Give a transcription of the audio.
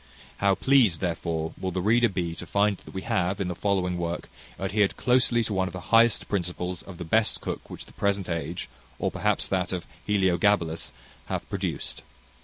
How pleased, therefore, will the reader be to find that we have, in the following work, adhered closely to one of the highest principles of the best cook which the present age, or perhaps that of Heliogabalus, hath produced.